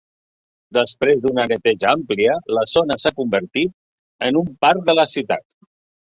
Després d'una neteja àmplia, la zona s'ha convertit en un parc de la ciutat.